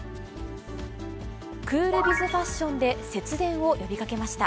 クールビズファッションで、節電を呼びかけました。